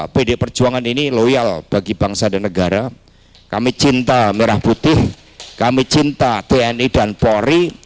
pdi perjuangan ini loyal bagi bangsa dan negara kami cinta merah putih kami cinta tni dan polri